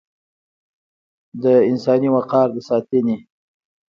د انساني وقار د ساتنې